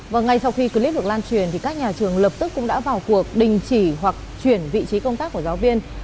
và ngay sau khi clip được lan truyền thì các nhà trường lập tức cũng đã vào cuộc đình chỉ hoặc chuyển vị trí công tác của giáo viên